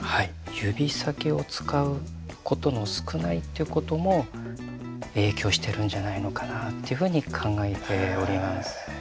指先を使うことの少ないということも影響してるんじゃないのかなというふうに考えております。